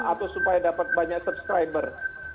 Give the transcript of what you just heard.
atau supaya dapat banyak subscriber